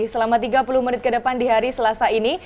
selama tiga puluh menit ke depan di hari selasa ini